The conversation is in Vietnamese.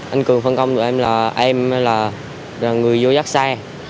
anh cường phân công tụi em là em là người vô giác xe